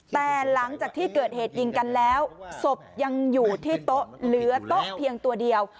แต่หลังจากที่เกิดเหตุยิงกันแล้วศพยังอยู่ที่โต๊ะเหลือโต๊ะเพียงตัวเดียว